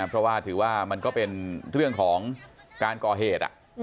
เพราะว่าถือว่ามันก็เป็นเรื่องของการก่อเหตุ